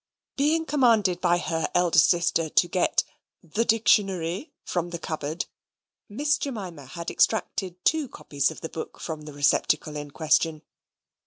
Being commanded by her elder sister to get "the Dictionary" from the cupboard, Miss Jemima had extracted two copies of the book from the receptacle in question.